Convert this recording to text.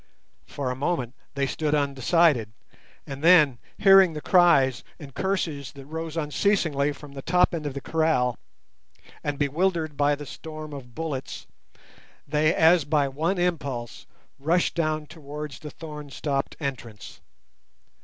For a moment they stood undecided, and then hearing the cries and curses that rose unceasingly from the top end of the kraal, and bewildered by the storm of bullets, they as by one impulse rushed down towards the thorn stopped entrance.